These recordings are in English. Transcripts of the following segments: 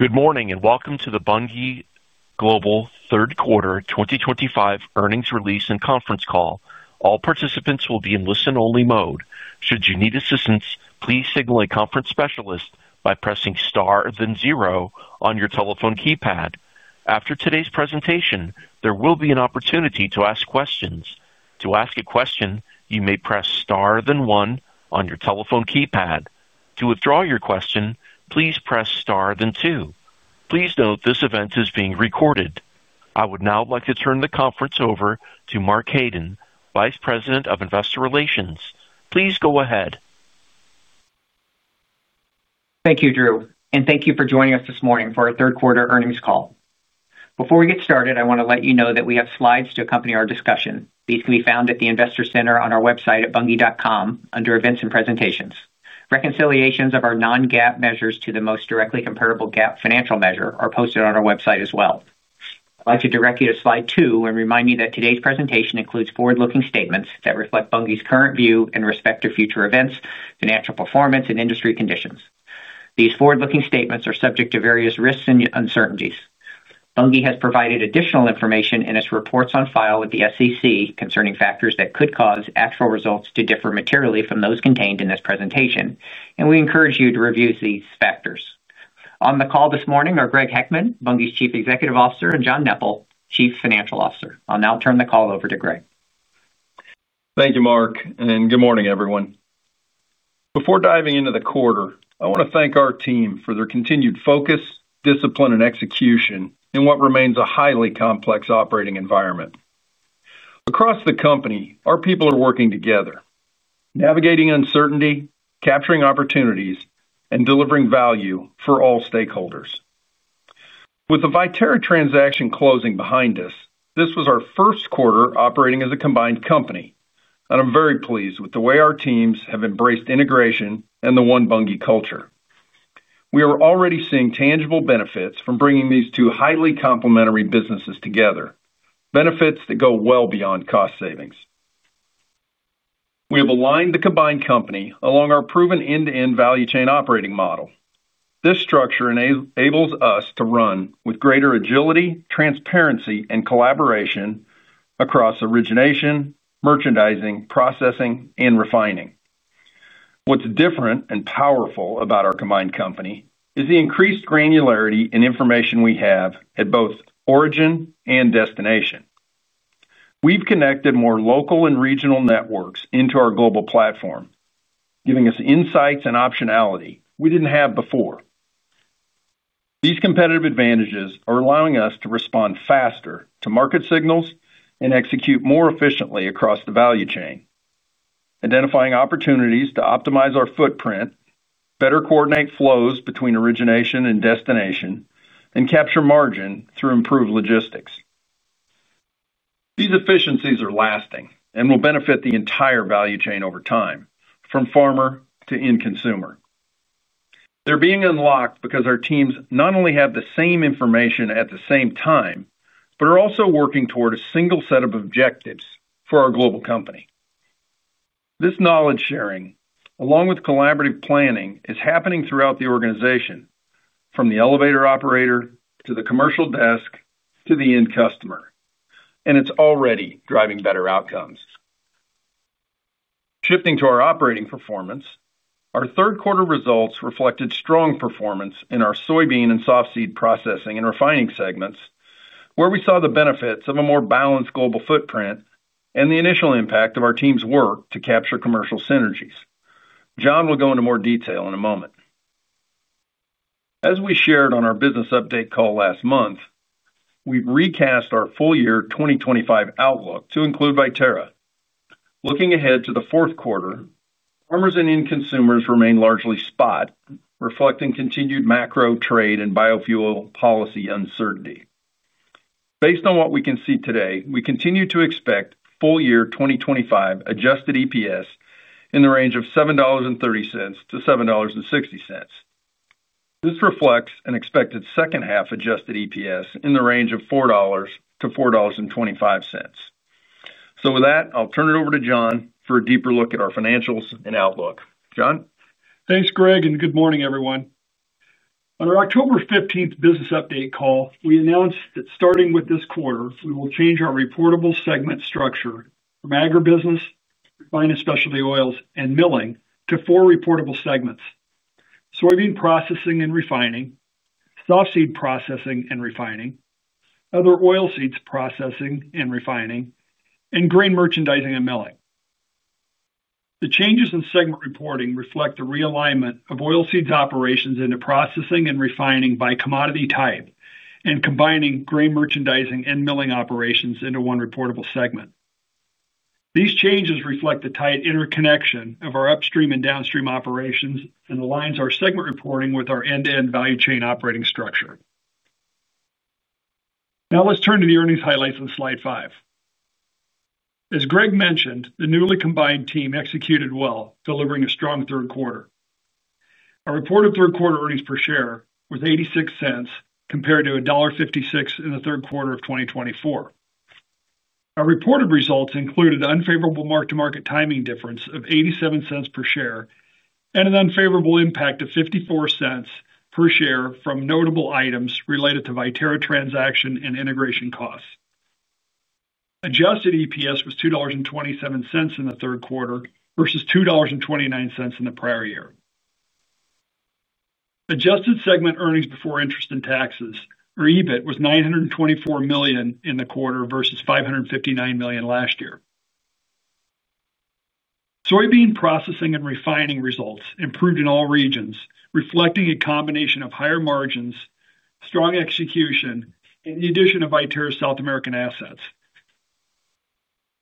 Good morning and welcome to the Bunge Global third quarter 2025 earnings release and conference call. All participants will be in listen only mode. Should you need assistance, please signal a conference specialist by pressing Star then zero on your telephone keypad. After today's presentation, there will be an opportunity to ask questions. To ask a question, you may press Star then one on your telephone keypad. To withdraw your question, please press Star then two. Please note this event is being recorded. I would now like to turn the conference over to Mark Haden, Vice President of Investor Relations. Please go ahead. Thank you, Drew, and thank you for joining us this morning for our third quarter earnings call. Before we get started, I want to let you know that we have slides to accompany our discussion. These can be found at the Investor Center on our website at bunge.com under Events and Presentations. Reconciliations of our non-GAAP measures to the most directly comparable GAAP financial measure are posted on our website as well. I'd like to direct you to slide 2 and remind you that today's presentation includes forward-looking statements that reflect Bunge's current view in respect to future events, financial performance, and industry conditions. These forward-looking statements are subject to various risks and uncertainties. Bunge has provided additional information in its reports on file with the SEC concerning factors that could cause actual results to differ materially from those contained in this presentation and we encourage you to review these factors. On the call this morning are Greg Heckman, Bunge's Chief Executive Officer and John Knepel, Chief Financial Officer. I'll now turn the call over to Greg. Thank you, Mark, and good morning, everyone. Before diving into the quarter, I want to thank our team for their continued focus, discipline, and execution in what remains a highly complex operating environment. Across the company, our people are working together, navigating uncertainty, capturing opportunities, and delivering value for all stakeholders. With the Viterra transaction closing behind us, this was our first quarter operating as a combined company, and I'm very pleased with the way our teams have embraced integration and the one Bunge culture. We are already seeing tangible benefits from bringing these two highly complementary businesses together, benefits that go well beyond cost savings. We have aligned the combined company along our proven end-to-end value chain operating model. This structure enables us to run with greater agility, transparency, and collaboration across origination, merchandising, processing, and refining. What's different and powerful about our combined company is the increased granularity in information we have at both origin and destination. We've connected more local and regional networks into our global platform, giving us insights and optionality we didn't have before. These competitive advantages are allowing us to respond faster to market signals and execute more efficiently across the value chain, identifying opportunities to optimize our footprint, better coordinate flows between origination and destination, and capture margin through improved logistics. These efficiencies are lasting and will benefit the entire value chain over time from farmer to end consumer. They're being unlocked because our teams not only have the same information at the same time, but are also working toward a single set of objectives for our global company. This knowledge sharing along with collaborative planning is happening throughout the organization, from the elevator operator to the commercial desk to the end customer, and it's already driving better outcomes. Shifting to our operating performance, our third quarter results reflected strong performance in our soybean and softseed processing and refining segments, where we saw the benefits of a more balanced global footprint and the initial impact of our team's work to capture commercial synergies. John will go into more detail in a moment. As we shared on our business update call last month, we recast our full year 2025 outlook to include Viterra. Looking ahead to the fourth quarter, farmers and end consumers remain largely spot, reflecting continued macro trade and biofuel policy uncertainty. Based on what we can see today, we continue to expect full year 2025 adjusted EPS in the range of $7.30-$7.60. This reflects an expected second half adjusted EPS in the range of $4-$4.25. With that, I'll turn it over to John for a deeper look at our financials and outlook. John, thanks Greg, and good morning everyone. On our October 15th business update call, we announced that starting with this quarter, we will change our reportable segment structure from agribusiness, refined specialty oils, and milling to four reportable: soybean processing and refining, softseed processing and refining, other oilseeds processing and refining, and grain merchandising and milling. The changes in segment reporting reflect the realignment of oilseeds operations into processing and refining by commodity type and combining grain merchandising and milling operations into one reportable segment. These changes reflect the tight interconnection of our upstream and downstream operations and align our segment reporting with our end-to-end value chain operating structure. Now, let's turn to the earnings highlights on Slide 5. As Greg mentioned, the newly combined team executed well, delivering a strong third quarter. Our reported third quarter earnings per share was $0.86 compared to $1.56 in the third quarter of 2024. Our reported results included unfavorable mark to market timing difference of $0.87 per share and an unfavorable impact of $0.54 per share from notable items related to Viterra transaction and integration costs. Adjusted EPS was $2.27 in the third quarter versus $2.29 in the prior year. Adjusted segment earnings before interest and taxes or EBIT was $924 million in the quarter versus $559 million last year. Soybean processing and refining results improved in all regions reflecting a combination of higher margins, strong execution and the addition of Viterra's South American assets.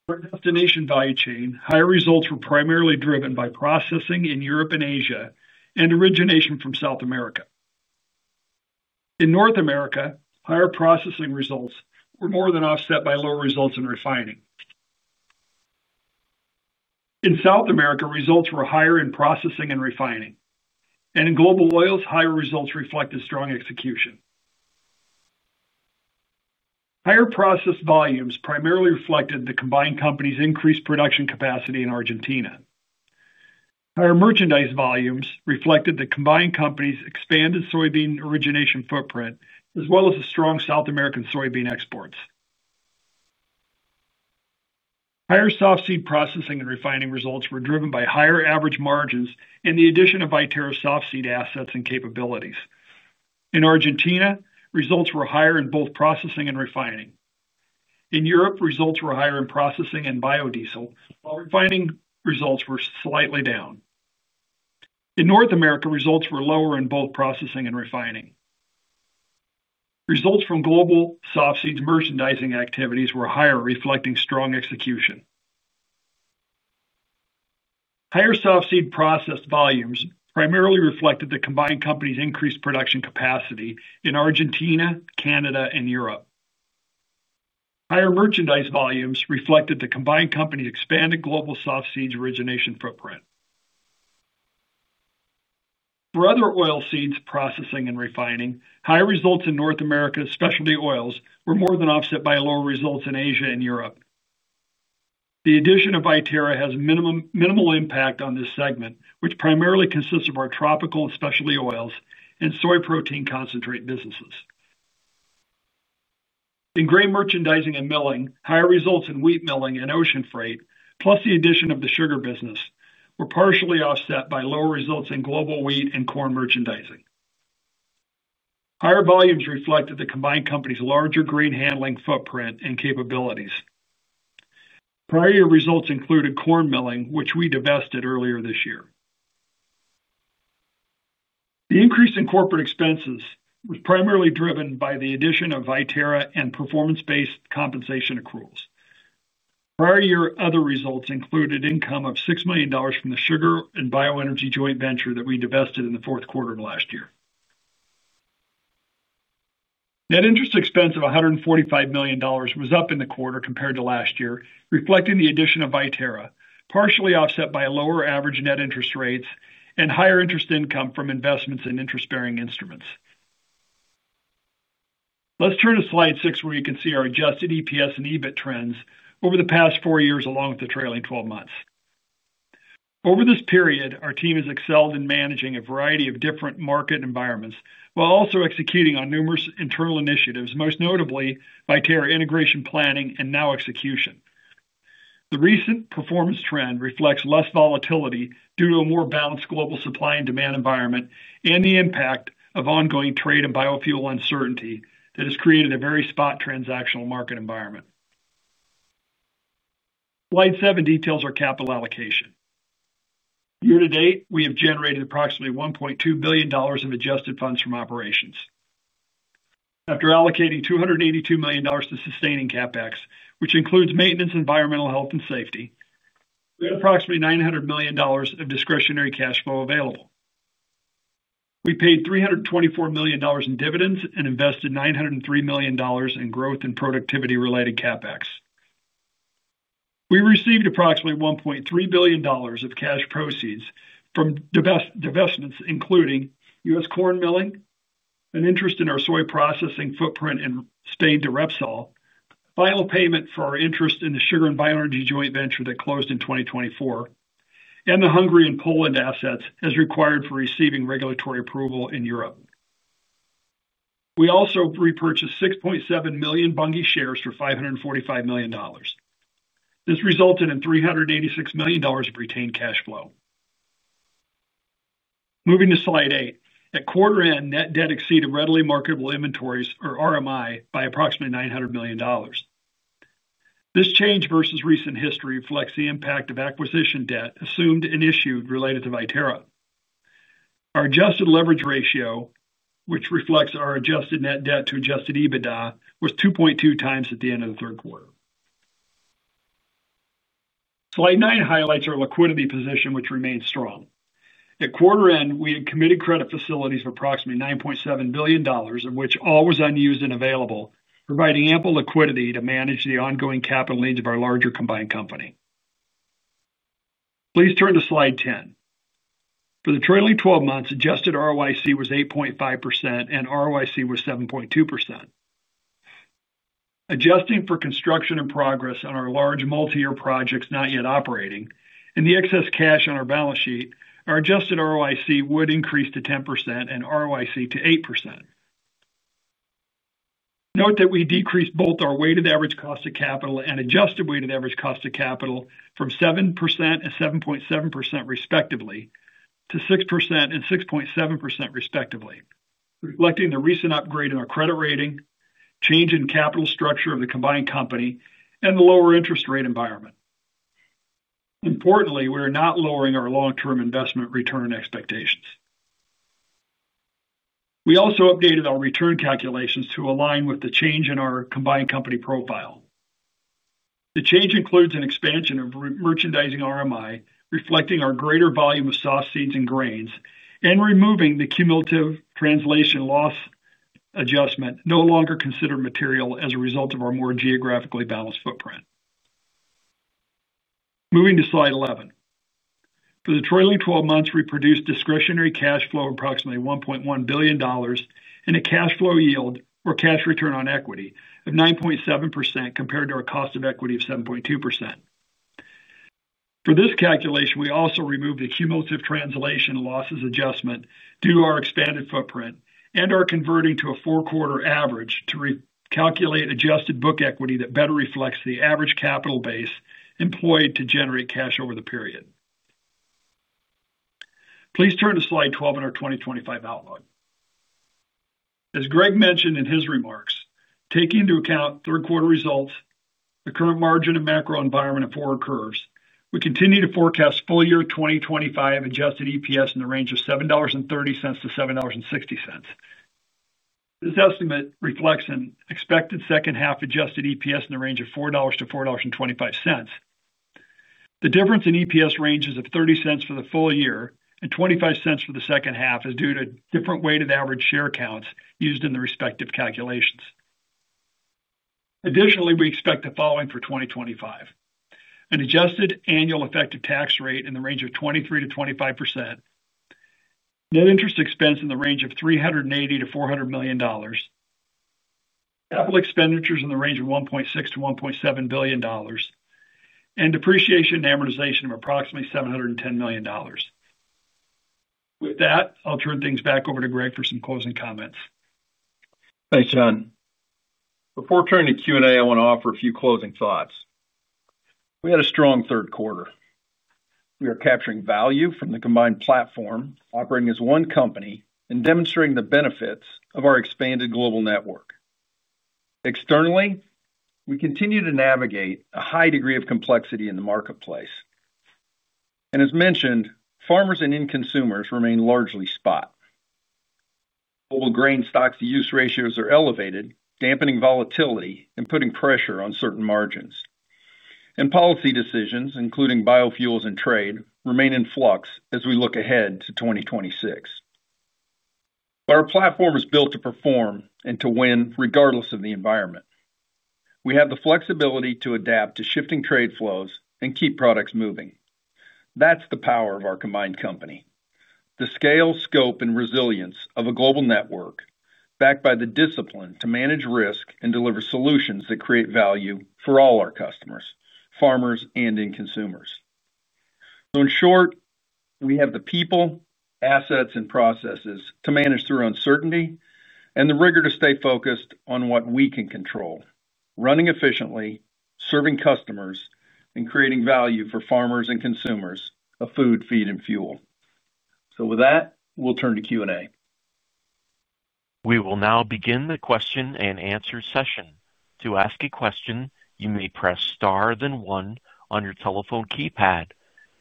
For destination value chain, higher results were primarily driven by processing in Europe and Asia and origination from South America. In North America, higher processing results were more than offset by lower results in refining. In South America, results were higher in processing and refining and in global oils, higher results reflected strong execution. Higher process volumes primarily reflected the combined company's increased production capacity. In Argentina, higher merchandise volumes reflected the combined company's expanded soybean origination footprint as well as strong South American soybean exports. Higher softseed processing and refining results were driven by higher average margins and the addition of Viterra softseed assets and capabilities. In Argentina, results were higher in both processing and refining. In Europe, results were higher in processing and biodiesel while refining results were slightly down. In North America, results were lower in both processing and refining. Results from global softseeds merchandising activities were higher reflecting strong execution. Higher softseed processed volumes primarily reflected the combined company's increased production capacity in Argentina, Canada and Europe. Higher merchandise volumes reflected the combined company's expanded global softseeds origination footprint. For other oilseeds processing and refining, high results in North America's specialty oils were more than offset by lower results in Asia and Europe. The addition of Viterra has minimal impact on this segment which primarily consists of our tropical and specialty oils and soy protein concentrate businesses. In grain merchandising and milling, higher results in wheat milling and ocean freight plus the addition of the sugar business were partially offset by lower results in global wheat and corn merchandising. Higher volumes reflected the combined company's larger grain handling footprint and capabilities. Prior year results included corn milling which we divested earlier this year. The increase in corporate expenses was primarily driven by the addition of Viterra and performance based compensation accruals prior year. Other results included income of $6 million from the sugar and bioenergy joint venture that we divested in the fourth quarter of last year. Net interest expense of $145 million was up in the quarter compared to last year reflecting the addition of Viterra, partially offset by lower average net interest rates and higher interest income from investments in interest bearing instruments. Let's turn to slide 6 where you can see our adjusted EPS and EBIT trends over the past four years along with the trailing 12 months. Over this period, our team has excelled in managing a variety of different market environments while also executing on numerous internal initiatives, most notably Viterra integration, planning and now execution. The recent performance trend reflects less volatility due to a more balanced global supply and demand environment and the impact of ongoing trade and biofuel uncertainty that has created a very spot transactional market environment. Slide 7 details our capital allocation. Year to date we have generated approximately $1.2 billion of adjusted funds from operations. After allocating $282 million to sustaining CapEx, which includes maintenance, environmental health and safety, we had approximately $900 million of discretionary cash flow available. We paid $324 million in dividends and invested $903 million in growth and productivity related CapEx. We received approximately $1.3 billion of cash proceeds from divestments including US corn milling, an interest in our soy processing footprint in Spain, the Repsol final payment for our interest in the sugar and bioenergy joint venture that closed in 2024, and the Hungary and Poland assets as required for receiving regulatory approval. We also repurchased 6.7 million Bunge shares for $545 million. This resulted in $386 million of retained. Cash flow. Moving to slide eight. At quarter end, net debt exceeded readily marketable inventories or RMI by approximately $900 million. This change versus recent history reflects the impact of acquisition debt assumed and issued related to Viterra. Our adjusted leverage ratio, which reflects our adjusted net debt to adjusted EBITDA, was 2.2x at the end of the third quarter. Slide nine highlights our liquidity position, which remains strong. At quarter end, we had committed credit facilities of approximately $9.7 billion, of which all was unused and available, providing ample liquidity to manage the ongoing capital needs of our larger combined company. Please turn to Slide 10. For the trailing twelve months, adjusted ROIC was 8.5% and ROIC was 7.2%. Adjusting for construction in progress on our large multi year projects not yet operating and the excess cash on our balance sheet, our adjusted ROIC would increase to 10% and ROIC to 8%. Note that we decreased both our weighted average cost of capital and adjusted weighted average cost of capital from 7%-7.3%, 7% respectively, to 6% and 6.7% respectively, reflecting the recent upgrade in our credit rating, change in capital structure of the combined company and the lower interest rate environment. Importantly, we are not lowering our long term investment return expectations. We also updated our return calculations to align with the change in our combined company profile. The change includes an expansion of merchandising RMI reflecting our greater volume of soft seeds and grains and removing the cumulative translation loss adjustment no longer considered material as a result of our more geographically balanced footprint. Moving to Slide 11 for the trailing 12 months, we produced discretionary cash flow of approximately $1.1 billion and a cash flow yield or cash return on equity of 9.7% compared to our cost of equity of 7.2%. For this calculation, we also removed the cumulative translation losses adjustment due to our expanded footprint and are converting to a four quarter average to calculate adjusted book equity that better reflects the average capital base employed to generate cash over the period. Please turn to Slide 12 in our 2025 outlook. As Greg mentioned in his remarks, taking into account third quarter results, the current margin and macro environment and forward curves, we continue to forecast full year 2025 adjusted EPS in the range of $7.30-$7.60. This estimate reflects an expected second half adjusted EPS in the range of $4-$4.25. The difference in EPS ranges of $0.30 for the full year and $0.25 for the second half is due to different weighted average share counts used in the respective calculations. Additionally, we expect the following for 2025: an adjusted annual effective tax rate in the range of 23%-25%, net interest expense in the range of $380 million-$400 million, capital expenditures in the range of $1.6 billion-$1.7 billion, and depreciation and amortization of approximately $710 million. With that, I'll turn things back over to Greg for some closing comments. Thanks John. Before turning to Q&A, I want to offer a few closing thoughts. We had a strong third quarter. We are capturing value from the combined platform, operating as one company and demonstrating the benefits of our expanded global network. Externally, we continue to navigate a high degree of complexity in the marketplace and as mentioned, farmers and end consumers remain largely spot. Global grain stocks to use ratios are elevated, dampening volatility and putting pressure on certain margins and policy decisions including biofuels and trade remain in flux as we look ahead to 2026. Our platform is built to perform and to win regardless of the environment. We have the flexibility to adapt to shifting trade flows and keep products moving. That is the power of our combined company. The scale, scope and resilience of a global network backed by the discipline to manage risk and deliver solutions that create value for all our customers, farmers and end consumers. In short, we have the people, assets and processes to manage through uncertainty and the rigor to stay focused on what we can control, running efficiently, serving customers and creating value for farmers and consumers of food, feed and fuel. With that, we'll turn to Q &A. We will now begin the question and answer session. To ask a question, you may press Star then one on your telephone keypad.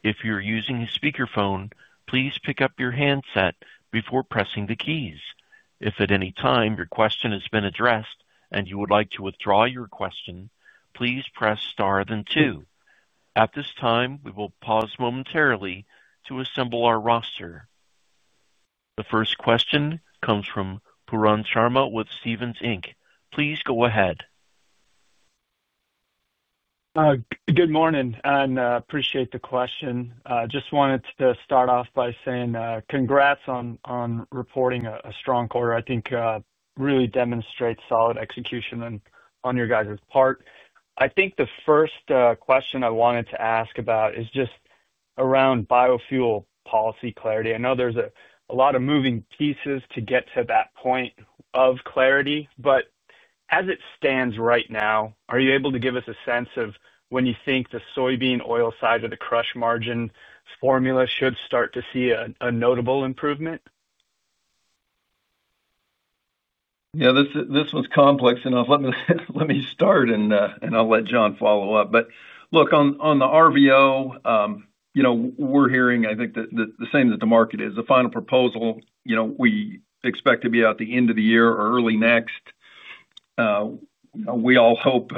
If you're using a speakerphone, please pick up your handset before pressing the keys. If at any time your question has been addressed and you would like to withdraw your question, please press Star then two. At this time we will pause momentarily to assemble our roster. The first question comes from Pooran Sharma with Stephens Inc. Please go ahead. Good morning and appreciate the question. Just wanted to start off by saying congrats on reporting a strong quarter. I think really demonstrates solid execution on your guys' part. I think the first question I wanted to ask about is just around biofuel policy clarity. I know there's a lot of moving pieces to get to that point where of clarity. As it stands right now, are you able to give us a sense of when you think the soybean oil side of the crush margin formula should start to see a notable improvement? Yeah, this was complex enough. Let me start and I'll let John follow up. Look, on the RVO, you know, we're hearing, I think, the same that the market is. The final proposal, you know, we expect to be at the end of the year or early next. We all hope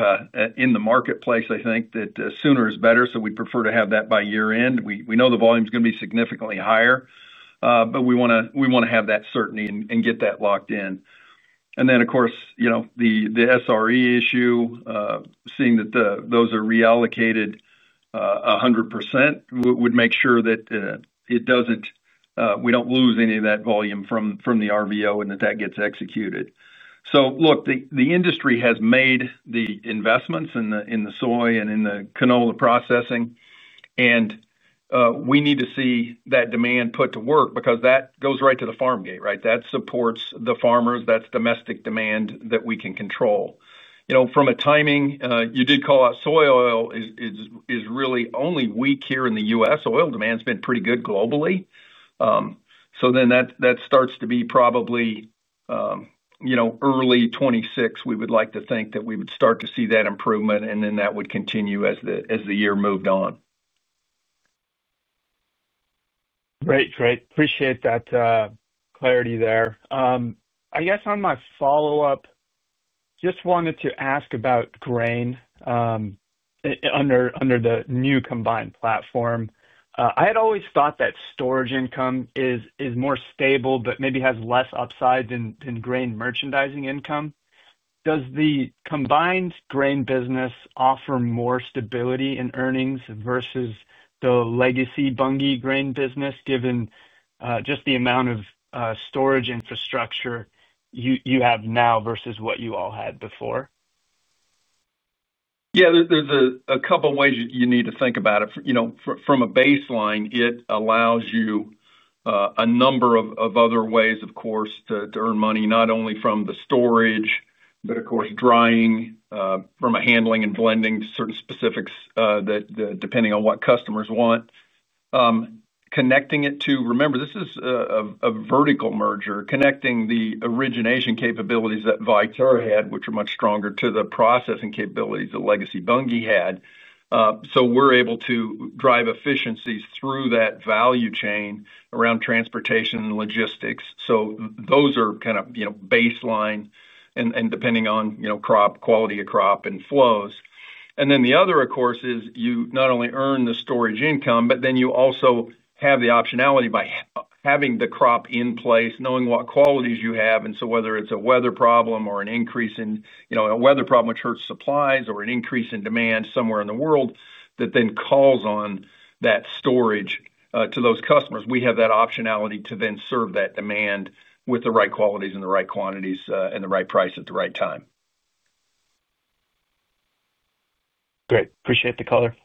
in the marketplace, I think, that sooner is better. We'd prefer to have that by year end. We know the volume is going to be significantly higher, but we want to have that certainty and get that locked in. Of course, you know, the SRE issue, seeing that those are reallocated 100% would make sure that we don't lose any of that volume from the RVO and that that gets executed. Look, the industry has made the investments in the soy and in the canola processing and we need to see that demand put to work because that goes right to the farm gate. Right? That supports the farmers. That's domestic demand that we can control. You know, from a timing, you did call out, soybean is really only weak here in the U.S. Oil demand has been pretty good globally. You know, that starts to be probably, you know, early 2026. We would like to think that we would start to see that improvement and then that would continue as the year moved on. Great, great. Appreciate that clarity there, I guess. On my follow up, just wanted to ask about grain under, under the new combined platform. I had always thought that storage income is more stable, but maybe has less upside than grain merchandising income. Does the combined grain business offer more stability in earnings versus the legacy Bunge Global grain business given just the amount of storage infrastructure you have now versus what. You all had before? Yeah, there's a couple ways you need to think about it. You know, from a baseline, it allows you a number of other ways, of course, to earn money not only from the storage, but of course, drying from a handling and blending certain specifics that depending on what customers want, connecting it to. Remember, this is a vertical merger connecting the origination capabilities that Viterra had, which are much stronger, to the processing capabilities that legacy Bunge had. We are able to drive efficiencies through that value chain around transportation and logistics. Those are kind of, you know, baseline and depending on, you know, crop quality of crop and flows. The other, of course, is you not only earn the storage income, but then you also have the optionality by having the crop in place, knowing what qualities you have. Whether it is a weather problem or an increase in, you know, a weather problem which hurts supplies, or an increase in demand somewhere in the world that then calls on that storage to those customers, we have that optionality to then serve that demand with the right qualities and the right quantities and the right price at the right time. Great. Appreciate the color.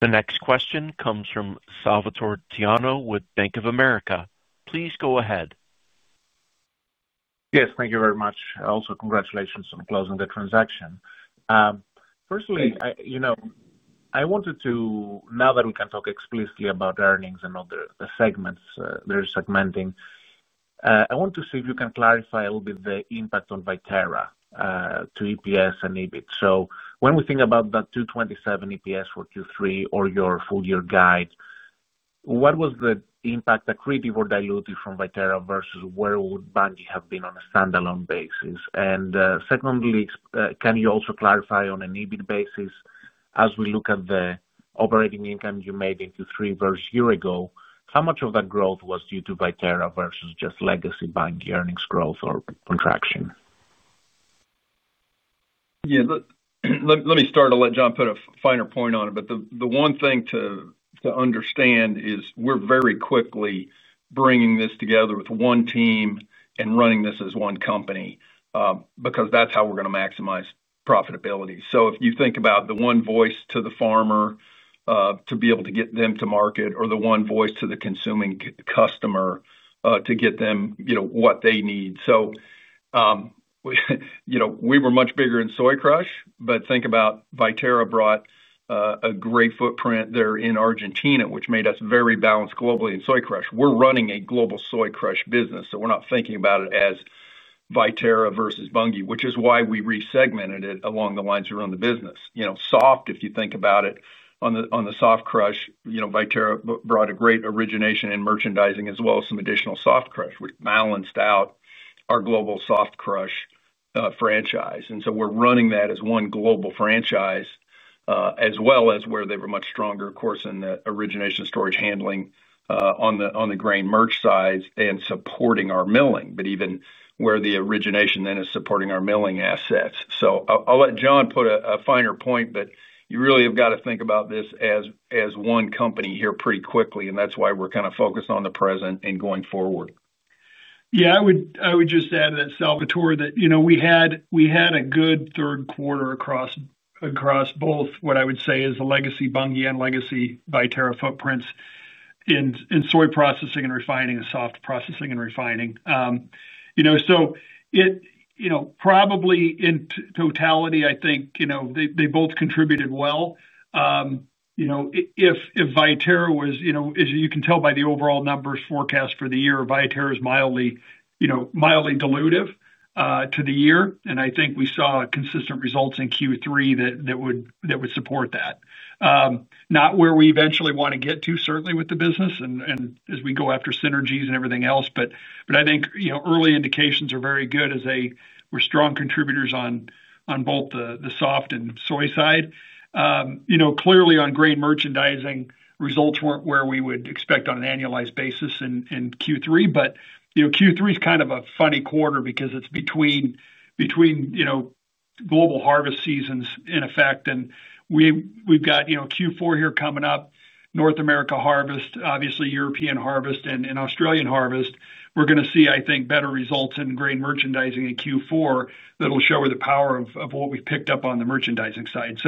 The next question comes from Salvator Tiano with Bank of America. Please go ahead. Yes, thank you very much. Also, congratulations on closing the transaction. Firstly, you know, I wanted to, now that we can talk explicitly about earnings and other segments they are segmenting, I want to see if you can clarify a little bit the impact on Viterra to EPS and EBIT. So when we think about that $2.27 EPS for Q3 or your full year guide, what was the impact, accretive or dilutive, from Viterra versus where would Bunge have been on a standalone basis? Secondly, can you also clarify on an EBIT basis, as we look at the operating income you made in Q3 versus a year ago, how much of that growth was due to Viterra versus just legacy Bunge earnings growth or contraction. Yeah. Let me start to let John put a finer point on it. The one thing to understand is we're very quickly bringing this together with one team and running this as one company because that's how we're going to maximize profitability. If you think about the one voice to the farmer to be able to get them to market or the one voice to the consuming customer to get them, you know, what they need. You know, we were much bigger in soy crush. Think about Viterra brought a great footprint there in Argentina, which made us very balanced globally in soy crush. We're running a global soy crush business. We're not thinking about it as Viterra versus Bunge, which is why we resegmented it along the lines around the business, you know, soft. If you think about it on the, on the soft crush, you know, Viterra brought a great origination in merchandising as well as some additional soft crush which balanced out our global soft crush franchise. We are running that as one global franchise as well as where they were much stronger, of course, in the origination, storage, handling on the grain merch size and supporting our milling, but even where the origination then is supporting our milling assets. I will let John put a finer point, but you really have got to think about this as one company here pretty quickly. That is why we are kind of focused on the present and going forward. Yeah, I would just add that, Salvator, that, you know, we had a good third quarter across both. What I would say is the legacy Bunge and legacy Viterra footprints in soy processing and refining and soft processing and refining, you know, so it, you know, probably in totality, I think, you know, they both contributed well, you know, if Viterra was, you know, as you can tell by the overall numbers forecast for the year, Viterra is mildly, you know, mildly dilutive to the year. I think we saw consistent results in Q3 that would support that. Not where we eventually want to get to, certainly with the business and as we go after synergies and everything else. I think early indications are very good as they were strong contributors on both the soft and soy side. Clearly on grain merchandising results were not where we would expect on an annualized basis in Q3. You know, Q3 is kind of a funny quarter because it is between, you know, global harvest seasons in effect. We have got, you know, Q4 here coming up, North America harvest, obviously European harvest and Australian harvest. We are going to see, I think, better results in grain merchandising in Q4. That will show the power of what we have picked up on the merchandising side.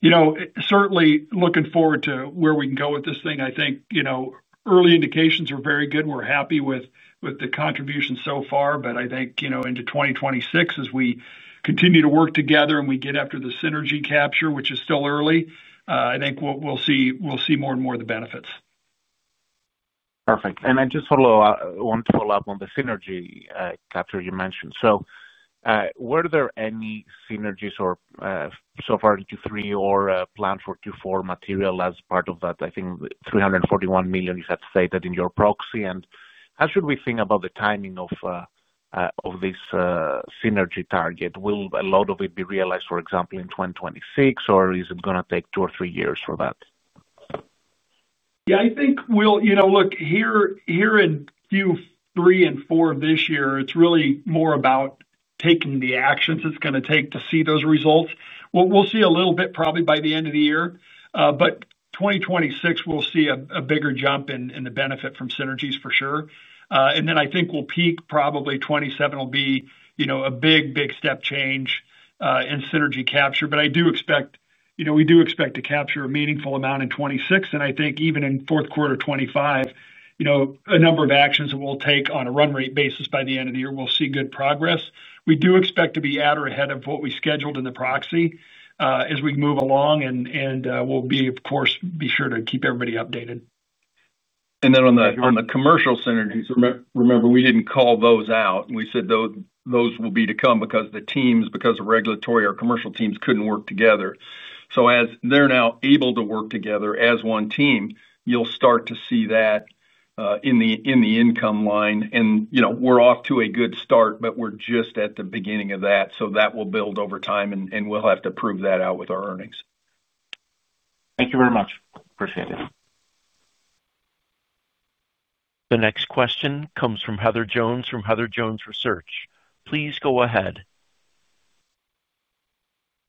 You know, certainly looking forward to where we can go with this thing. I think, you know, early indications are very good. We are happy with the contribution so far. I think into 2026, as we continue to work together and we get after the synergy capture, which is still early, I think we will see more and more of the benefits. Perfect. I just want to follow up on the synergy capture you mentioned. Were there any synergies so far in Q3 or planned for Q4 material as part of that? I think $341 million you have stated in your proxy. How should we think about the timing of this synergy target? Will a lot of it be realized, for example, in 2026 or is it going to take two or three years for that? Yeah, I think we'll, you know, look here, here in Q3 and 4 of this year, it's really more about taking the actions it's going to take to see those results. We'll see a little bit probably by the end of the year, but 2026, we'll see a bigger jump in the benefit from synergies for sure. I think we'll peak probably 2027 will be a big, big step change in synergy capture. I do expect, you know, we do expect to capture a meaningful amount in 2026 and I think even in fourth quarter 2025, you know, a number of actions that we'll take on a run rate basis by the end of the year we'll see good progress. We do expect to be at or ahead of what we scheduled in the proxy as we move along, and we'll be, of course, be sure to keep everybody updated. On the commercial synergies, remember we did not call those out. We said those will be to come because the teams, because of regulatory or commercial teams could not work together. As they are now able to work together as one team, you will start to see that in the income line and we are off to a good start. We are just at the beginning of that. That will build over time and we will have to prove that out with our earnings. Thank you very much. Appreciate it. The next question comes from Heather Jones from Heather Jones Research. Please go ahead.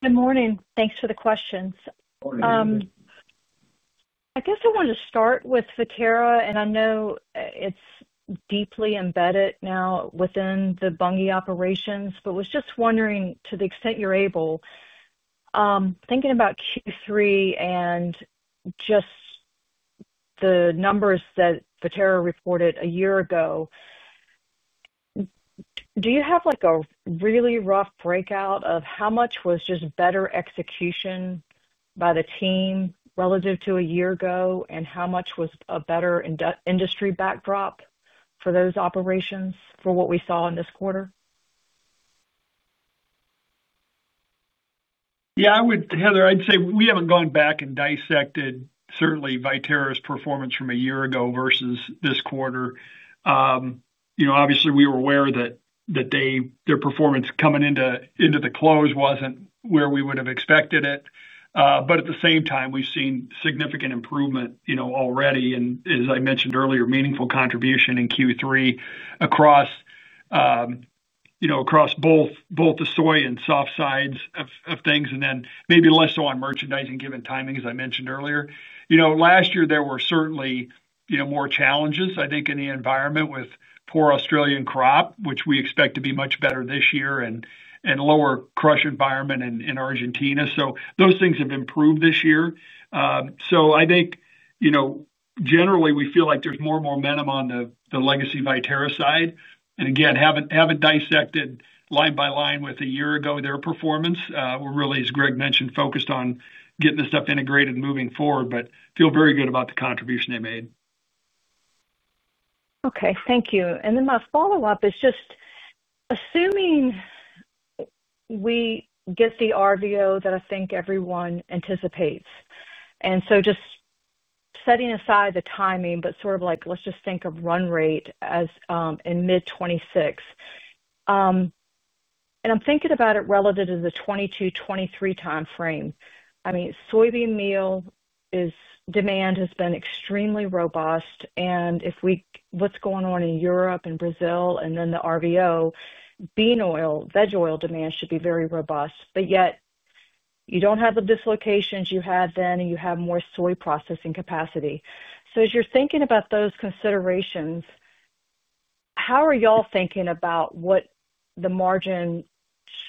Good morning. Thanks for the questions. I guess I wanted to start with Viterra and I know it's deeply embedded now within the Bunge operations, but was just wondering, to the extent you're able to, thinking about Q3 and just the numbers that Viterra reported a year ago, do you have like a really rough breakout of how much was just better execution by the team relative to a year ago and how much was a better industry backdrop for those operations for what we saw in this quarter? Yeah, I would, Heather. I'd say we haven't gone back and dissected certainly Viterra's performance from a year ago versus this quarter. You know, obviously we were aware that their performance coming into the close wasn't where we would have expected it. At the same time we've seen significant improvement, you know, already and as I mentioned earlier, meaningful contribution in Q3 across, you know, across both the soy and soft sides of things and then maybe less so on merchandising given timing. As I mentioned earlier, you know, last year there were certainly, you know, more challenges, I think in the environment with poor Australian crop, which we expect to be much better this year, and lower crush environment in Argentina. Those things have improved this year. I think, you know, generally we feel like there's more momentum on the legacy Viterra side and again, haven't dissected line by line with a year ago their performance. We're really, as Greg mentioned, focused on getting this stuff integrated moving forward, but feel very good about the contribution they made. Okay, thank you. My follow up is just assuming we get the RVO that I think everyone anticipates. Just setting aside the timing, but sort of like let's just think of run rate as in mid 2026. I'm thinking about it relative to the 2022-2023 time frame. I mean, soybean meal demand has been extremely robust. If we look at what's going on in Europe and Brazil and then the RVO, bean oil, veg oil, demand should be very robust. Yet you do not have the dislocations you had then and you have more soy processing capacity. As you are thinking about those considerations, how are y'all thinking about what the margin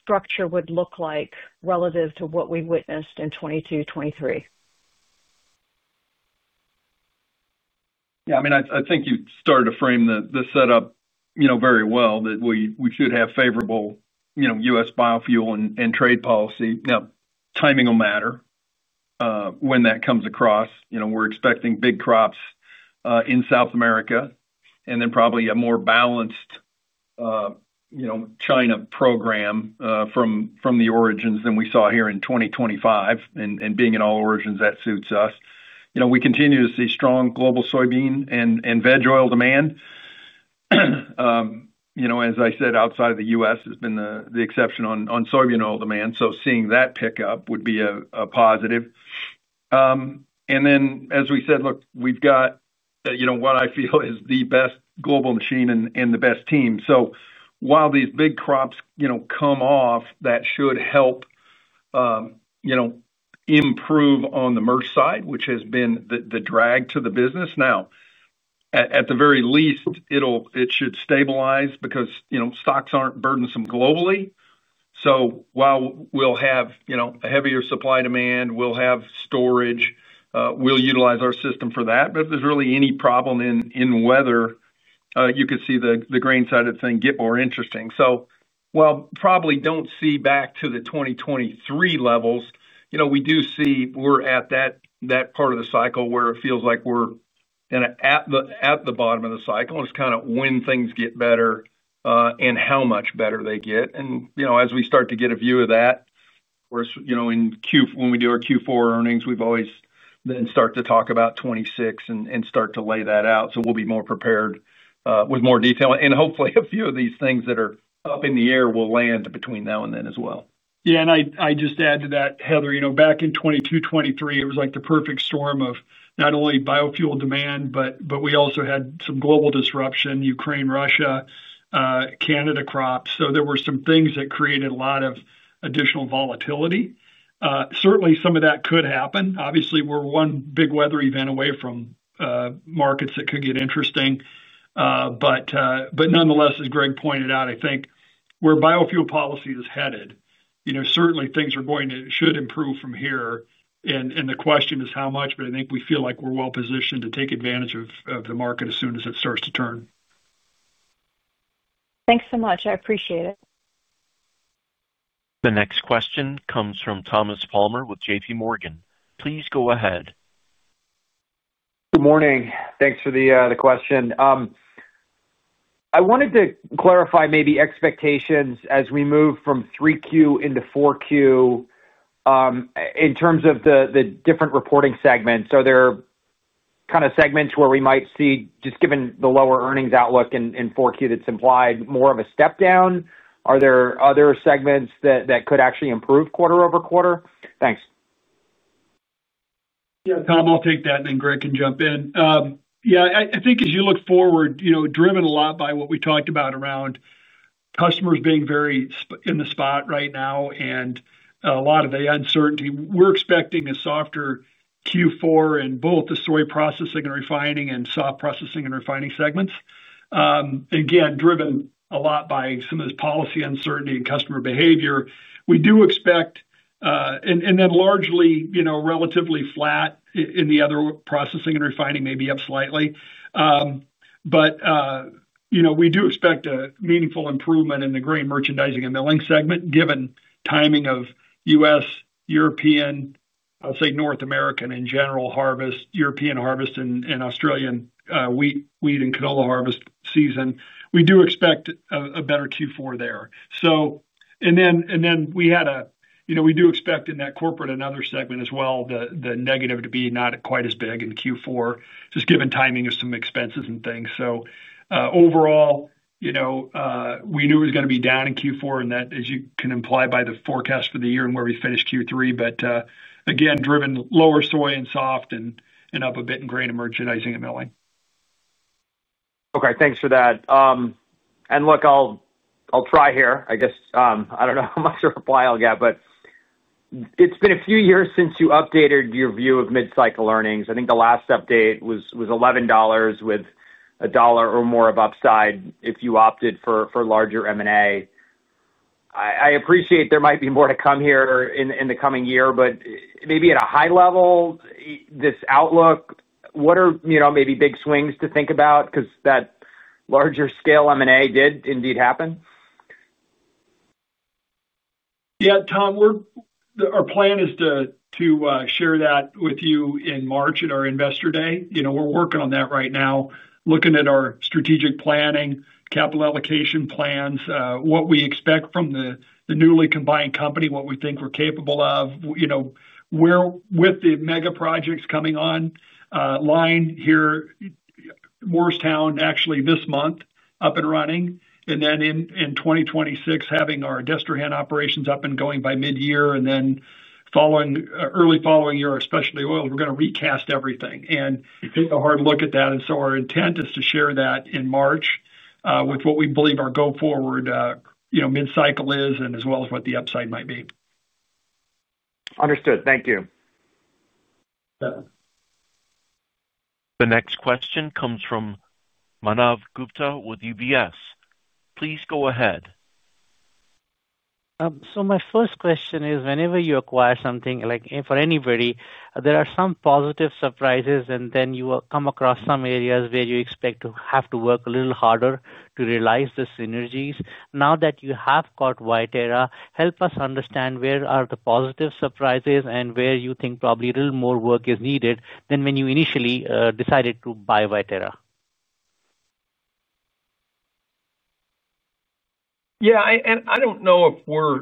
structure would look like relative to what we witnessed in 2022, 2023? Yeah, I mean, I think you started to frame the setup, you know, very well that we should have favorable, you know, U.S. biofuel and trade policy. Now timing will matter when that comes across. You know, we're expecting big crops in South America and then probably a more balanced, you know, China program from the origins than we saw here in 2025. And being in all origins, that suits us. You know, we continue to see strong global soybean and veg oil demand. You know, as I said, outside of the U.S. has been the exception on soybean oil demand. Seeing that pick up would be a positive. As we said, look, we've got, you know, what I feel is the best global machine and the best team. While these big crops, you know, come off, that should help, you know, improve on the merch side which has been the drag to the business. Now at the very least, it should stabilize because, you know, stocks are not burdensome globally. While we will have, you know, a heavier supply demand, we will have storage, we will utilize our system for that. If there is really any problem in weather, you could see the grain side of the thing get more interesting. While probably do not see back to the 2023 levels, you know, we do see we are at that part of the cycle where it feels like we are at the bottom of the cycle, is kind of when things get better and how much better they get. You know, as we start to get a view of that or, you know, in Q4 when we do our Q4 earnings, we've always then started to talk about 2026 and start to lay that out. We will be more prepared with more detail and hopefully a few of these things that are up in the air will land between now and then as well. Yeah, and I just add to that, Heather, you know, back in 2022, 2023, it was like the perfect storm of not only biofuel demand, but we also had some global disruption, Ukraine, Russia, Canada, crops. So there were some things that created a lot of additional volatility. Certainly some of that could happen. Obviously we are one big weather event away from markets that could get interesting. Nonetheless, as Greg pointed out, I think where biofuel policy is headed, you know, certainly things are going to, should improve from here and the question is how much. I think we feel like we are well positioned to take advantage of the market as soon as it starts to turn. Thanks so much, I appreciate it. The next question comes from Thomas Palmer with JPMorgan. Please go ahead. Good morning. Thanks for the question. I wanted to clarify maybe expectations as we move from 3Q into 4Q in terms of the different reporting segments. Are there kind of segments where we might see just given the lower earnings outlook in 4Q that's implied more of a step down? Are there other segments that could actually improve quarter over quarter. Thanks. Yeah Tom, I'll take that and then Greg can jump in. Yeah, I think as you look forward, you know, driven a lot by what we talked about around customers being very in the spot right now and a lot of the uncertainty, we're expecting a softer Q4 in both the story processing and refining and soft processing and refining segments. Again, driven a lot by some of this policy uncertainty and customer behavior we do expect and then largely, you know, relatively flat in the other processing and refining, maybe up slightly. But, you know, we do expect a meaningful improvement in the grain, merchandising and milling segment given timing of U.S., European, I'll say North American and general harvest, European harvest and Australian wheat, wheat and canola harvest season. We do expect a better Q4 there. And then we had a, you know we do expect in that corporate and other segment as well the negative to be not quite as big in Q4 just given timing of some expenses and things. Overall, you know we knew it was going to be down in Q4 and that as you can imply by the forecast for the year and where we finished Q3 but again driven lower soy and soft and up a bit in grain merchandising and milling. Okay, thanks for that. Look, I'll try here, I guess. I don't know how much reply I'll get but it's been a few years since you updated your view of mid cycle earnings. I think the last update was $11 with a dollar or more of upside if you opted for larger M&A. I appreciate there might be more to come here in the coming year, but maybe at a high level this outlook, what are maybe big swings to think about because that larger scale M&A did indeed happen. Yeah, Tom, our plan is to share that with you in March at our Investor Day. You know we're working on that right now looking at our strategic planning, capital allocation plans, what we expect from the newly combined company, what we think we're capable of. You know with the mega projects coming on line here, Morristown actually this month up and running and then in 2026 having our Destrehan operations up and going by mid year and then following early following year, specialty oil, we're going to recast everything and take a hard look at that. Our intent is to share that in March with what we believe our go forward, you know, mid cycle is and as well as what the upside might be. Understood. Thank you. The next question comes from Manav Gupta with UBS. Please go ahead. My first question is, whenever you acquire something, like for anybody, there are some positive surprises, and then you will come across some areas where you expect to have to work a little harder to realize the synergies. Now that you have caught Viterra, help us understand where are the positive surprises and where you think probably a little more work is needed than when you initially decided to buy Viterra. Yeah, and I don't know if we're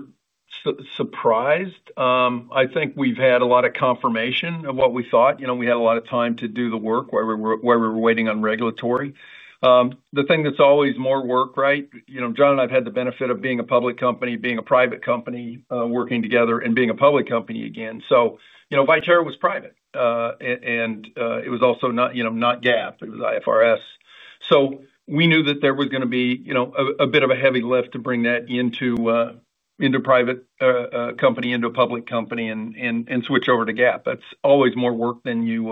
surprised. I think we've had a lot of confirmation of what we thought. We had a lot of time to do the work while we were waiting on regulatory. The thing that's always more work. Right? John and I have had the benefit of being a public company, being a private company, working together and being a public company again. You know, Viterra was private, and it was also not, you know, not GAAP, it was IFRS. We knew that there was going to be, you know, a bit of a heavy lift to bring that into a public company and switch over to GAAP. That is always more work than you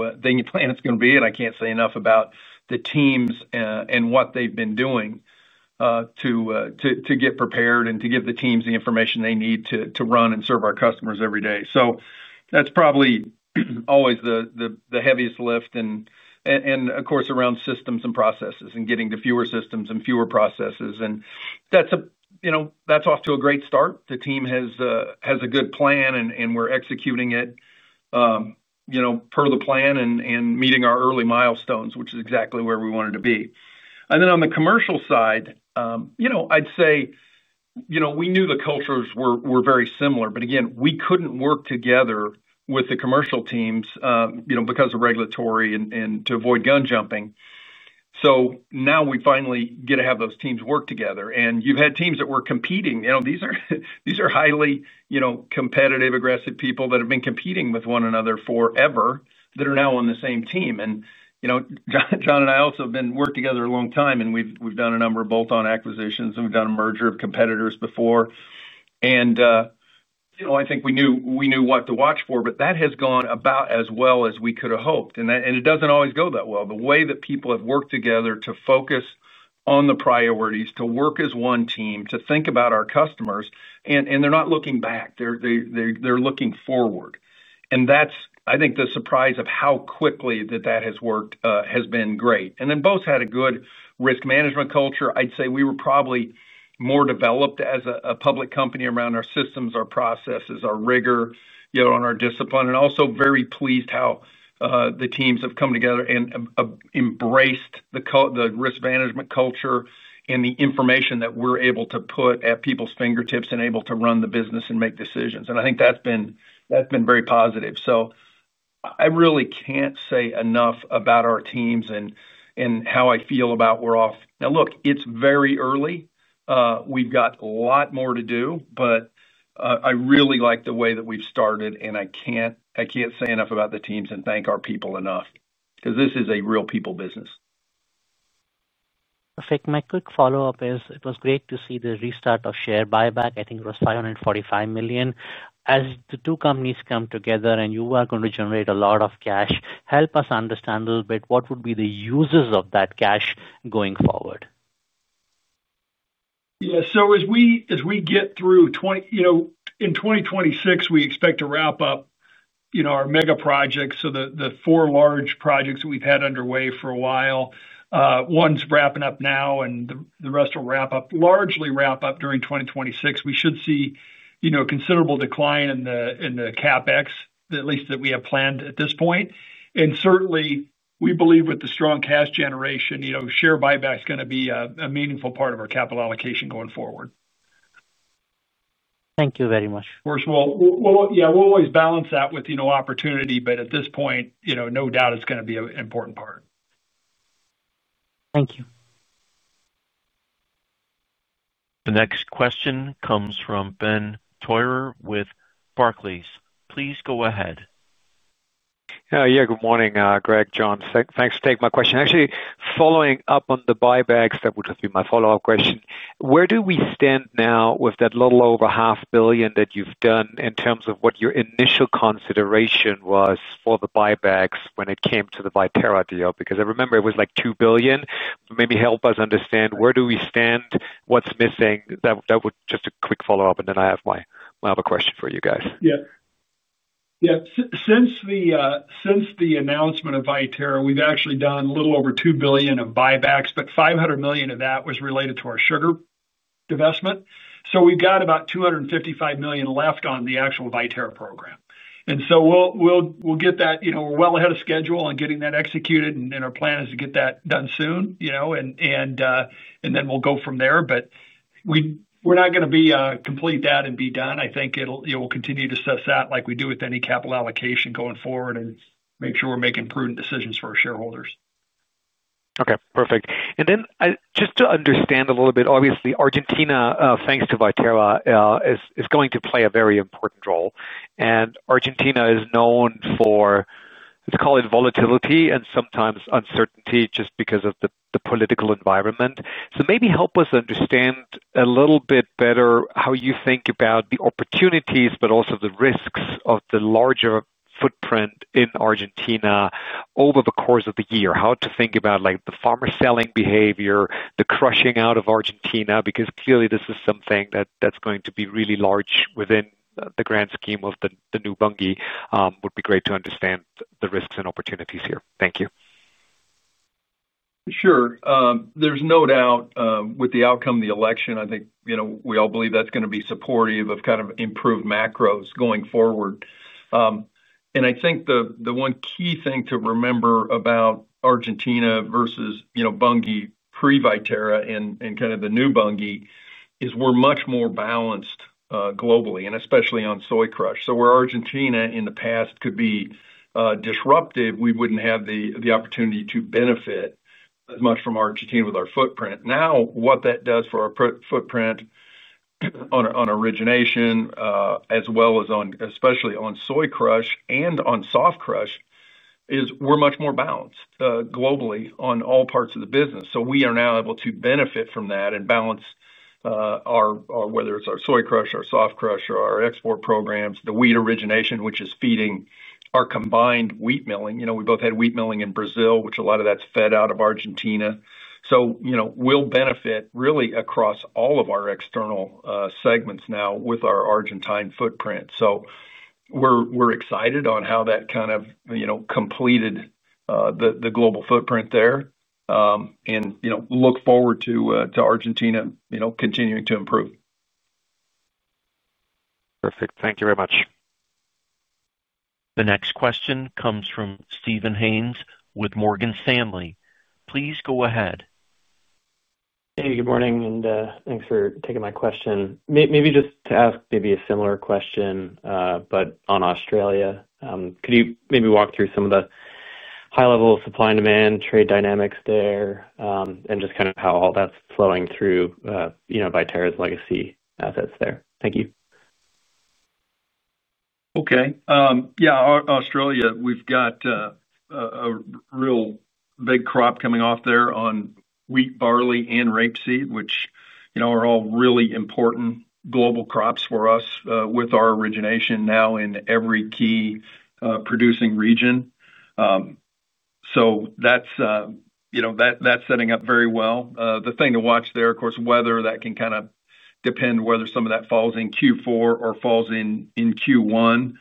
plan it is going to be. I cannot say enough about the teams and what they have been doing to get prepared and to give the teams the information they need to run and serve our customers every day. That is probably always the heaviest lift and of course, around systems and processes and getting to fewer systems and fewer processes. That is off to a great start. The team has a good plan and we're executing it, you know, per the plan and meeting our early milestones, which is exactly where we wanted to be. On the commercial side, you know, I'd say, you know, we knew the cultures were very similar, but again, we couldn't work together with the commercial teams, you know, because of regulatory and to avoid gun jumping. Now we finally get to have those teams work together. You've had teams that were competing, you know, these are highly, you know, competitive, aggressive people that have been competing with one another forever that are now on the same team. You know, John and I also have worked together a long time, and we've done a number of bolt-on acquisitions and we've done a merger of competitors before. I think we knew what to watch for. That has gone about as well as we could have hoped. It does not always go that well. The way that people have worked together to focus on the priorities, to work as one team, to think about our customers, and they're not looking back, they're looking forward too. I think the surprise of how quickly that has worked has been great. Both had a good risk management culture. I'd say we were probably more developed as a public company around our systems, our processes, our rigor, and our discipline. am also very pleased how the teams have come together and embraced the risk management culture and the information that we are able to put at people's fingertips and able to run the business and make decisions. I think that has been very positive. I really cannot say enough about our teams and how I feel about them. We are off now. Look, it is very early, we have got a lot more to do. I really like the way that we have started and I cannot say enough about the teams and thank our people enough because this is a real people business. Perfect. My quick follow up is it was great to see the restart of share buyback. I think it was $545 million. As the two companies come together and you are going to generate a lot of cash, help us understand a little bit what would be the uses of that cash going forward. Yeah. As we get through 2026, we expect to wrap up, you know, our mega projects. The four large projects that we've had underway for a while, one's wrapping up now and the rest will largely wrap up during 2026. We should see, you know, considerable decline in the CapEx, at least that we have planned at this point. Certainly we believe with the strong cash generation, you know, share buyback is going to be a meaningful part of our capital allocation going forward. Thank you very much. Yeah, we'll always balance that with, you know, opportunity. But at this point, you know, no doubt it's going to be an important part. Thank you. The next question comes from Ben Theurer with Barclays. Please go ahead. Yeah, good morning, Greg. John, thanks for taking my question. Actually, following up on the buybacks, that would be my follow up question. Where do we stand now with that little over $500 million that you've done in terms of what your initial consideration was for the buybacks when it came to the Viterra deal, because I remember it was like $2 billion maybe help us understand where do we stand, what's missing. That would just be a quick follow up. And then I have my other question for you guys. Since the announcement of Viterra, we've actually done a little over $2 billion of buybacks, but $500 million of that was related to our sugar divestment. We've got about $255 million left on the actual Viterra program. We'll get that. We're well ahead of schedule on getting that executed and our plan is to get that done soon and then we'll go from there. We're not going to complete that and be done. I think we'll continue to set that like we do with any capital allocation going forward and make sure we're making prudent decisions for our shareholders. Okay, perfect. Just to understand a little bit, obviously Argentina, thanks to Viterra, is going to play a very important role. Argentina is known for, let's call it, volatility and sometimes uncertainty just because of the political environment. Maybe help us understand a little bit better how you think about the opportunities, but also the risks of the larger footprint in Argentina over the course of the year. How to think about the farmer selling behavior, the crushing out of Argentina, because clearly this is something that's going to be really large within the grand scheme of the new Bunge. Would be great to understand the risks and opportunities here. Thank you. Sure. There's no doubt with the outcome of the election. I think, you know, we all believe that's going to be supportive of kind of improved macros going forward. I think the one key thing to remember about Argentina versus, you know, Bunge pre Viterra and kind of the new Bunge is we're much more balanced globally and especially on soy crush. Where Argentina in the past could be disruptive, we wouldn't have the opportunity to benefit as much from Argentina with our footprint. Now, what that does for our footprint on origination as well as on, especially on soy crush and on soft crush is we're much more balanced globally on all parts of the business. We are now able to benefit from that and balance our, whether it's our soy crush, our soft crush or our export programs, the wheat origination which is feeding our combined wheat milling. You know, we both had wheat milling in Brazil, which a lot of that's fed out of Argentina. You know, we'll benefit really across all of our external segments now with our Argentine footprint. We're excited on how that kind of, you know, completed the global footprint there and, you know, look forward to Argentina, you know, continuing to improve. Perfect. Thank you very much. The next question comes from Steven Haynes with Morgan Stanley. Please go ahead. Hey, good morning and thanks for taking my question. Maybe just to ask maybe a similar question, but on Australia, could you maybe walk through some of the high level supply and demand trade dynamics there? Just kind of how all that's flowing through, you know, Viterra's legacy assets there? Thank you. Okay. Yeah. Australia, we've got a real big crop coming off there on wheat, barley, and rapeseed, which, you know, are all really important global crops for us with our origination now in every key producing region. So that's, you know, that's setting up very well. The thing to watch there, of course, is weather that can kind of depend whether some of that falls in Q4 or falls in Q1.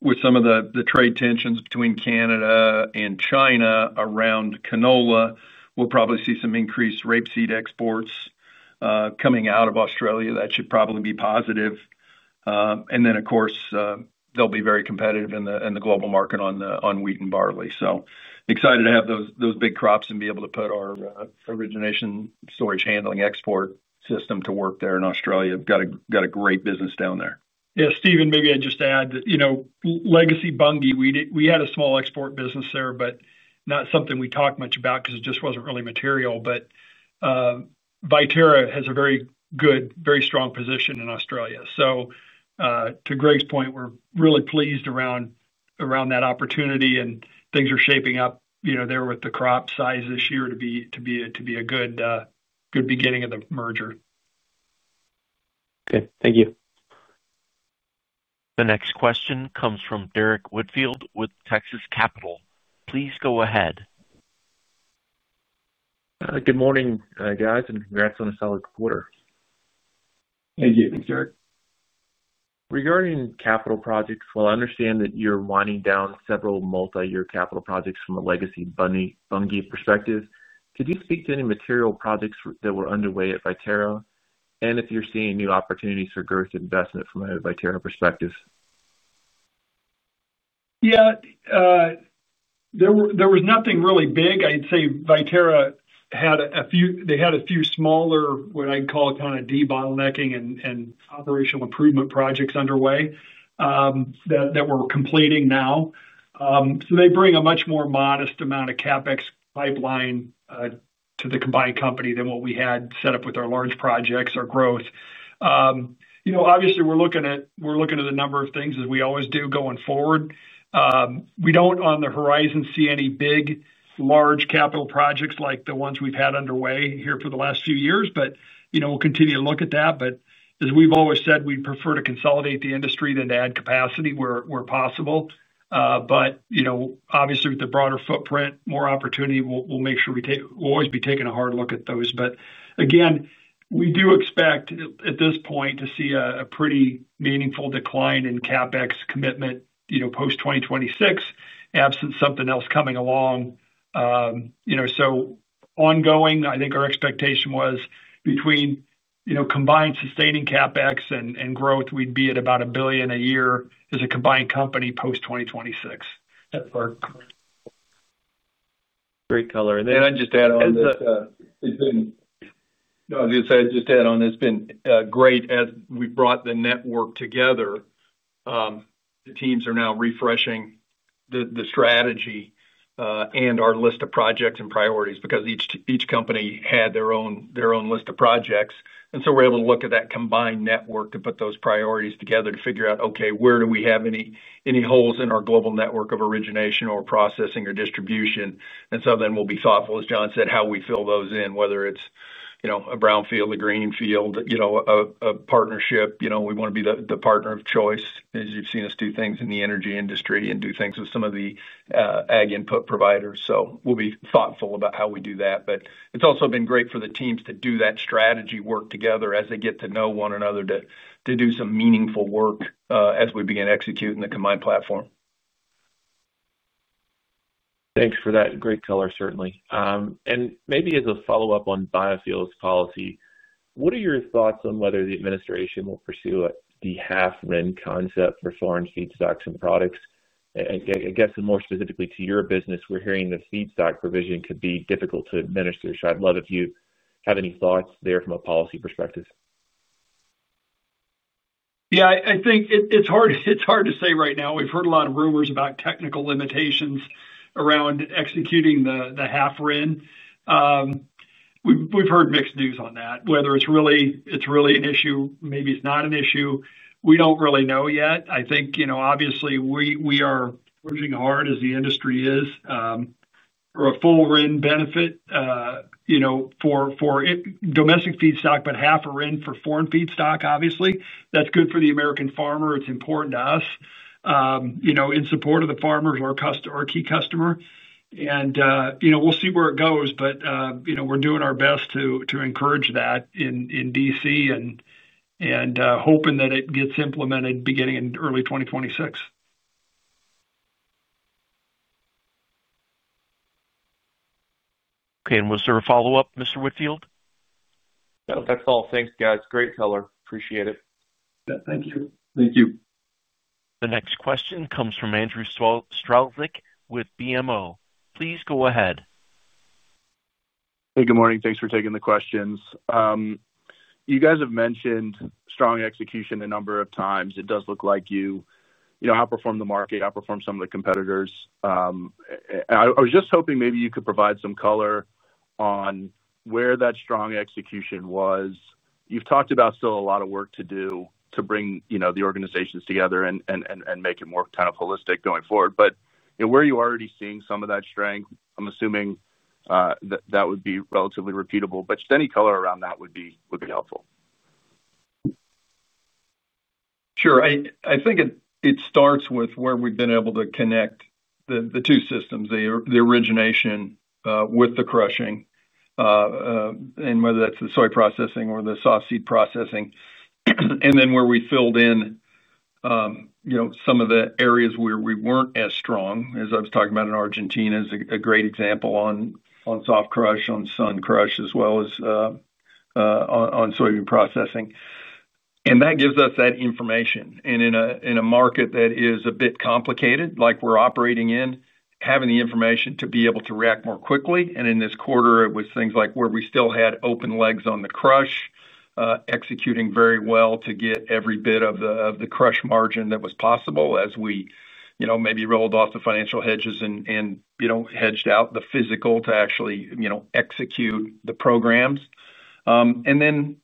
With some of the trade tensions between Canada and China around canola, we'll probably see some increased rapeseed exports coming out of Australia. That should probably be positive. And then, of course, they'll be very competitive in the global market on wheat and barley. Excited to have those big crops and be able to put our origination, storage, handling, export system to work there in Australia. Got a great business down there. Yeah, Steven, maybe I'd just add that, you know, legacy Bunge we did. We had a small export business there, but not something we talk much about because it just was not really material. But Viterra has a very good, very strong position in Australia. To Greg's point, we're really pleased around that opportunity and things are shaping up there with the crop size this year to be a good beginning of the merger. Okay, thank you. The next question comes from Derrick Whitfield with Texas Capital. Please go ahead. Good morning, guys, and congrats on a solid quarter. Thank you. Thanks, Derrick Regarding capital projects, while I understand that you're winding down several multi-year capital projects, from a legacy Bunge perspective, could you speak to any material projects that were underway at Viterra and if you're seeing new opportunities for growth, investment from a Viterra perspective? Yeah, there was nothing really big. I'd say Viterra had a few, they had a few smaller, what I'd call kind of debottlenecking and operational improvement projects underway that we're completing now. They bring a much more modest amount of CapEx pipeline to the combined company than what we had set up with our large projects, our growth. You know, obviously we're looking at a number of things as we always do going forward. We do not on the horizon see any big, large capital projects like the ones we've had underway here for the last few years. You know, we'll continue to look at that. As we've always said, we'd prefer to consolidate the industry than to add capacity where possible. You know, obviously with the broader footprint, more opportunity we'll make sure we take. We'll always be taking a hard look at those. Again, we do expect at this point to see a pretty meaningful decline in CapEx commitment, you know, post 2026, absent something else coming along, you know, so ongoing, I think our expectation was between, you know, combined sustaining CapEx and growth, we'd be at about $1 billion a year as a combined company post 2026. Great color. I just add on, just add on. It's been great as we brought the network together. The teams are now refreshing the strategy and our list of projects and priorities because each company had their own list of projects. We're able to look at that combined network to put those priorities together to figure out, okay, where do we have any holes in our global network of origination or processing or distribution? We'll be thoughtful, as John said, how we fill those in, whether it's, you know, a brownfield, a green field, you know, a partnership, you know, we want to be the partner of choice as you've seen us do things in the energy industry and do things with some of the ag input providers. We'll be thoughtful about how we do that. It has also been great for the teams to do that strategy work together as they get to know one another to do some meaningful work as we begin executing the combined platform. Thanks for that. Great color, certainly. Maybe as a follow up on biofuels policy, what are your thoughts on whether the administration will pursue it? The half RIN concept for foreign feedstocks and products? I guess more specifically to your business, we're hearing the feedstock provision could be difficult to administer. I'd love if you have any thoughts there from a policy perspective? Yeah, I think it's hard. It's hard to say right now. We've heard a lot of rumors about technical limitations around executing the half RIN. We've heard mixed news on that. Whether it's really an issue, maybe it's not an issue, we don't really know yet. I think, you know, obviously we are working hard as the industry is for a full RIN benefit, you know, for domestic feedstock, but half a RIN for foreign feedstock. Obviously that's good for the American farmer. It's important to us, you know, in support of the farmers, our key customer, and, you know, we'll see where it goes. You know, we're doing our best to encourage that in D.C. and hoping that it gets implemented beginning in early 2026. Okay, was there a follow up, Mr. Whitfield? No, that's all. Thanks, guys. Great teller. Appreciate it. Thank you. Thank you. The next question comes from Andrew Strelzik with BMO. Please go ahead. Hey, good morning. Thanks for taking the questions. You guys have mentioned strong execution a number of times. It does look like you outperform the market, outperform some of the competitors. I was just hoping maybe you could provide some color on where that strong execution was you've talked about still a lot of work to do. To bring the organizations together and make it more kind of holistic going forward. Where are you already seeing some of that strength? I'm assuming that would be relatively repeatable, but just any color around that would be, would be helpful. Sure. I think it starts with where we've been able to connect the two systems, the origination with the crushing and whether that's the soy processing or the softseed processing. Then where we filled in, you know, some of the areas where we weren't as strong as I was talking about in Argentina is a great example on soft crush, on sun crush as well as on soybean processing. That gives us that information. In a market that is a bit complicated, like we're operating in, having the information to be able to react more quickly. In this quarter, it was things like where we still had open legs on the crush executing very well to get every bit of the, of the crush margin that was possible as we, you know, maybe rolled off the financial hedges and, you know, hedged out the physical to actually, you know, execute the programs. Then,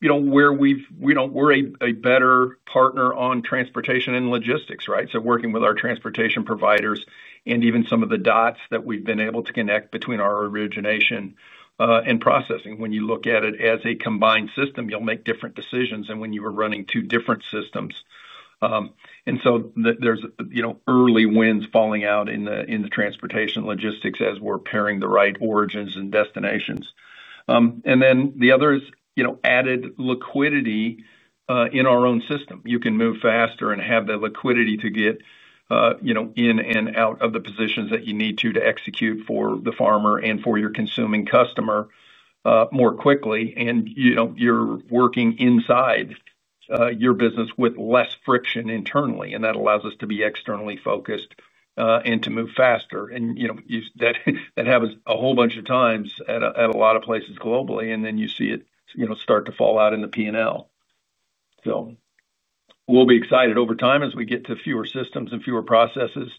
you know, where we've, you know, we're a better partner on transportation and logistics. Right? Working with our transportation providers and even some of the dots that we've been able to connect between our origination and processing. When you look at it as a combined system, you'll make different decisions than when you were running two different systems. There are early wins falling out in the transportation logistics as we're pairing the right origins and destinations. The other is added liquidity in our own system. You can move faster and have the liquidity to get in and out of the positions that you need to, to execute for the farmer and for your consuming customer more quickly. You know, you're working inside your business with less friction internally. That allows us to be externally focused and to move faster and, you know, use that. That happens a whole bunch of times at a lot of places globally, and then you see it, you know, start to fall out in the P. and L. We will be excited over time as we get to fewer systems and fewer processes.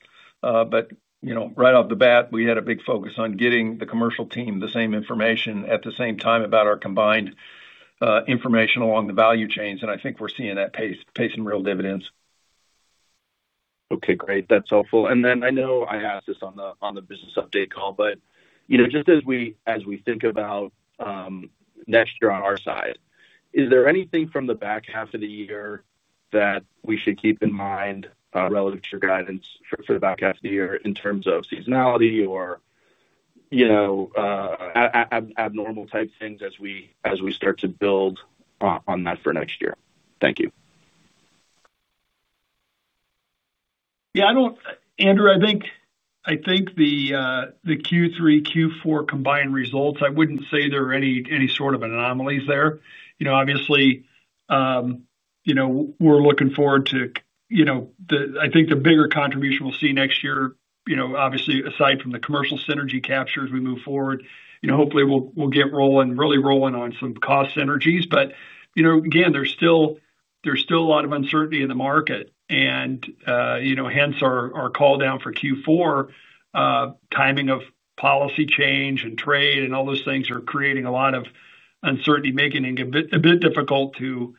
You know, right off the bat we had a big focus on getting the commercial team the same information at the same time about our combined information along the value chains. I think we're seeing that pay some real dividends. Okay, great, that's helpful. I know I asked this on the business update call. As we think about next year on our side, is there anything from the back half of the year that we should keep in mind relative to your guidance for the back half of the year in terms of seasonality or, you know, abnormal type things as we start to build on that for next year? Thank you. Yeah, I don't. Andrew, I think the Q3, Q4 combined results, I wouldn't say there are any sort of anomalies there. Obviously we're looking forward to, I think the bigger contribution we'll see next year. Obviously, aside from the commercial synergy capture as we move forward, hopefully we'll get really rolling on some cost synergies. Again, there's still a lot of uncertainty in the market and hence our call down for Q4. Timing of policy change and trade and all those things are creating a lot of uncertainty, making it a bit difficult to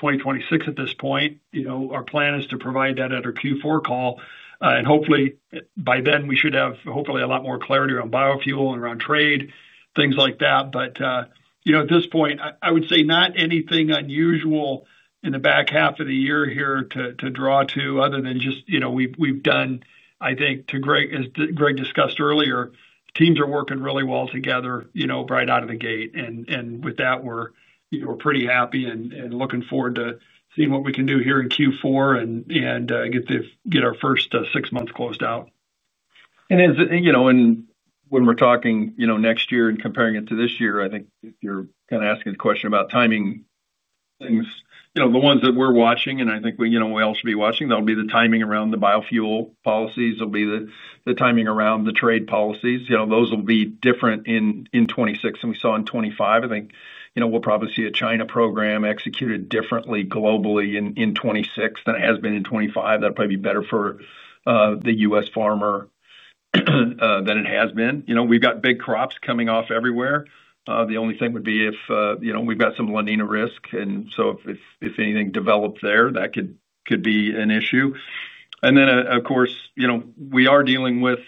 predict 2026 at this point. You know, our plan is to provide that at our Q4 call and hopefully by then we should have, hopefully a lot more clarity around biofuel and around trade, things like that. At this point, I would say not anything unusual in the back half of the year here to draw to other than just, you know, we've done, I think to Greg, as Greg discussed earlier, teams are working really well together, you know, right out of the gate. With that, we're pretty happy and looking forward to seeing what we can do here in Q4 and get our first six months closed out. You know, when we're talking, you know, next year and comparing it to this year, I think if you're kind of asking the question about timing things, you know, the ones that we're watching, and I think, you know, we all should be watching, that'll be the timing around the biofuel policies, will be the timing around the trade policies. You know, those will be different in 2026 than we saw in 2025. I think, you know, we'll probably see a China program executed differently globally in 2026 than it has been in 2025. That probably better for the U.S. farmer than it has been. You know, we've got big crops coming off everywhere. The only thing would be if, you know, we've got some La Niña risk. And so if anything developed there, that could, could be an issue. Of course, you know, we are dealing with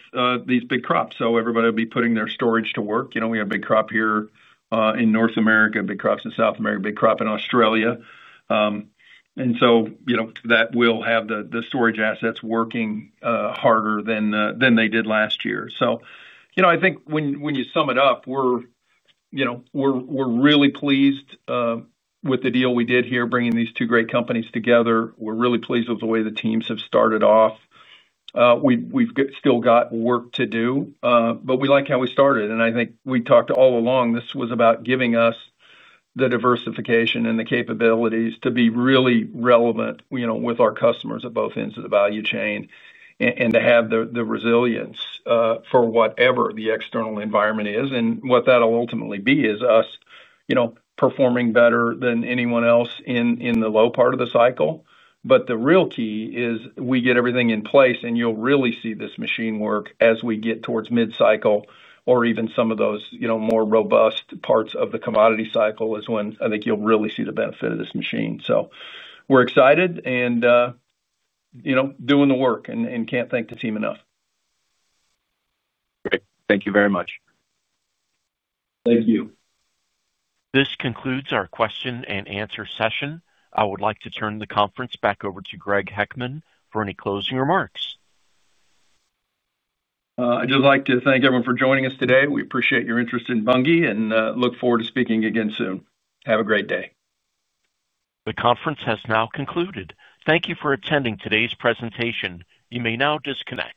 these big crops. Everybody will be putting their storage to work. We have big crop here in North America, big crops in South America, big crop in Australia. That will have the storage assets working harder than they did last year. I think when you sum it up, we're really pleased with the deal we did here, bringing these two great companies together. We're really pleased with the way the teams have started off. We've still got work to do, but we like how we started. I think we talked all along. This was about giving us the diversification and the capabilities to be really relevant with our customers at both ends of the value chain and to have the resilience for whatever the external environment is. What that will ultimately be is us, you know, performing better than anyone else in the low part of the cycle. The real key is we get everything in place. You will really see this machine work as we get towards mid cycle or even some of those, you know, more robust parts of the commodity cycle is when I think you will really see the benefit of this machine. We are excited and, you know, doing the work and cannot thank the team enough. Great. Thank you very much. Thank you. This concludes our question and answer session. I would like to turn the conference back over to Greg Heckman for any closing remarks. I'd just like to thank everyone for joining us today. We appreciate your interest in Bunge and look forward to speaking again soon. Have a great day. The conference has now concluded. Thank you for attending today's presentation. You may now disconnect.